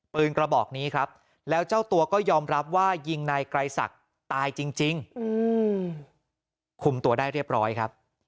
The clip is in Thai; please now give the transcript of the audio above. กระบอกนี้ครับแล้วเจ้าตัวก็ยอมรับว่ายิงนายไกรศักดิ์ตายจริงคุมตัวได้เรียบร้อยครับ